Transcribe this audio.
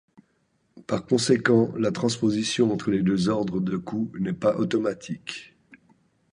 Par conséquent, la transposition entre les deux ordres de coups n'est pas automatique.